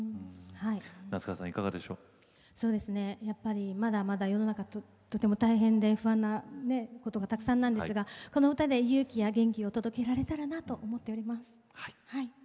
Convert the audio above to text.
やっぱりまだまだ世の中とても大変で不安なことがたくさんなんですがこの歌で勇気や元気を届けられたらなと思っております。